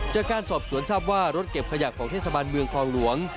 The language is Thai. จากการสอบสวนทราบว่ารถเก็บขยะของเทศบาลเมืองคลองหลวง